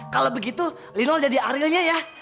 kalau begitu lino jadi arielnya ya